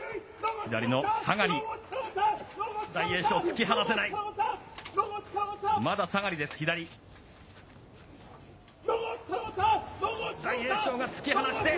左の下がり、大栄翔、突き放せない。